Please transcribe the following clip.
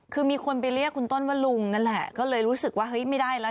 คือมีคนไปเรียกคุณต้นว่าลุงนั่นแหละก็เลยรู้สึกว่าเฮ้ยไม่ได้แล้ว